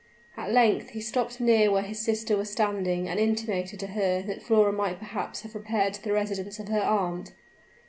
At length he stopped near where his sister was standing, and intimated to her that Flora might perhaps have repaired to the residence of her aunt.